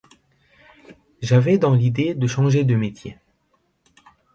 J'avais dans l'idée de changer de métier.